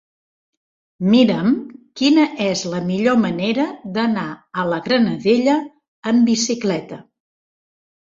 Mira'm quina és la millor manera d'anar a la Granadella amb bicicleta.